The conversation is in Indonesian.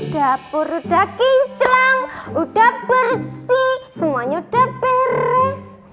dapur udah kinclong udah bersih semuanya udah beres